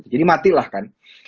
jadi matilah kan